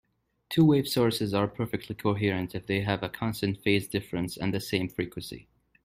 Two-wave sources are perfectly coherent if they have a constant phase difference and the same frequency.